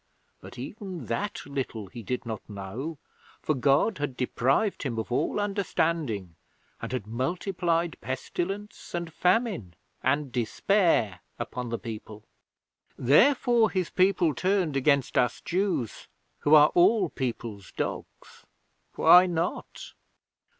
But even that little he did not know, for God had deprived him of all understanding, and had multiplied pestilence, and famine, and despair upon the people. Therefore his people turned against us Jews, who are all people's dogs. Why not?